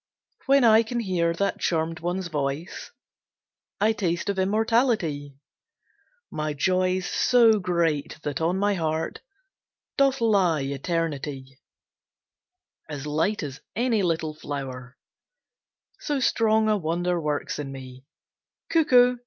When I can hear that charmed one's voice, I taste of immortality; My joy's so great that on my heart Doth lie eternity, As light as any little flower So strong a wonder works in me; Cuckoo!